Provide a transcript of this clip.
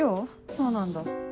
そうなんだ。